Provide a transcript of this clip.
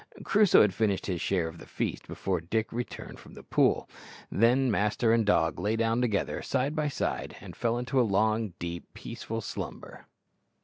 Crusoe had finished his share of the feast before Dick returned from the pool. Then master and dog lay down together side by side and fell into a long, deep, peaceful slumber.